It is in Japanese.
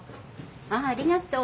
ああありがとう。